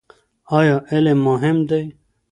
ایا علم مهم دی؟